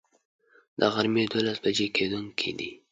د غرمي دولس بجي کیدونکی دی